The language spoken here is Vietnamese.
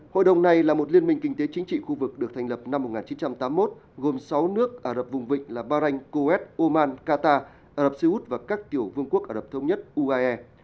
hội đồng này là một liên minh kinh tế chính trị khu vực được thành lập năm một nghìn chín trăm tám mươi một gồm sáu nước ả rập vùng vịnh là bahrain coes oman qatar ả rập xê út và các tiểu vương quốc ả rập thống nhất uae